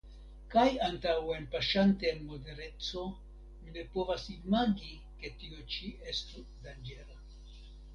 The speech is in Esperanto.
Kaj antaŭenpaŝante en modereco, mi ne povas imagi, ke tio ĉi estu danĝera.